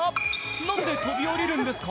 何で飛び降りるんですか？